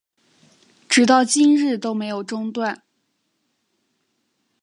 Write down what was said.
直到今日都没有中断